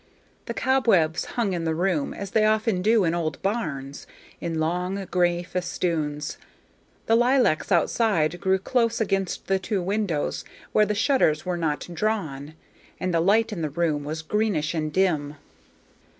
The cobwebs hung in the room, as they often do in old barns, in long, gray festoons; the lilacs outside grew close against the two windows where the shutters were not drawn, and the light in the room was greenish and dim.